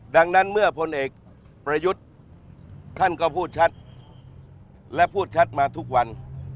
ดังนั้นเมื่อพลเอกประยุทธ์ท่านก็พูดชัดและพูดชัดมาทุกวัน